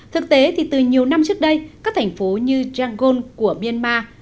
thực tế thì từ nhiều năm trước đây các thành phố như yangon của myanmar